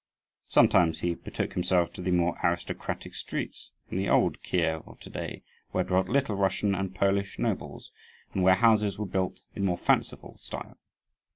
Sometimes he betook himself to the more aristocratic streets, in the old Kief of to day, where dwelt Little Russian and Polish nobles, and where houses were built in more fanciful style.